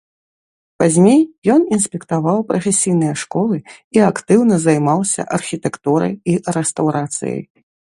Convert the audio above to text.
Пазней ён інспектаваў прафесійныя школы і актыўна займаўся архітэктурай і рэстаўрацыяй.